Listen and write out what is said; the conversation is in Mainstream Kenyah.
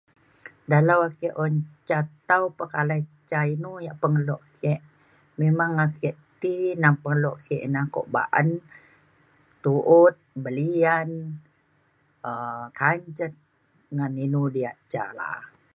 dalau ake un ca tau pekalai ca inu yak pengelo ke memang ake ti neng pengelo ke ina kuak ba’an tu’ut belian um kanjet ngan inu diak ca la’a